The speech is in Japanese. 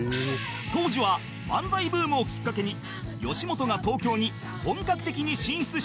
当時は漫才ブームをきっかけに吉本が東京に本格的に進出したタイミング